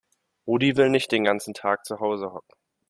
Rudi will nicht den ganzen Tag zu Hause hocken.